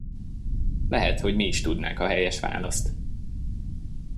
Lehet, hogy mi is tudnánk a helyes választ.